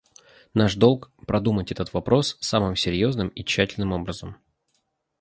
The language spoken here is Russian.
Наш долг — продумать этот вопрос самым серьезным и тщательным образом.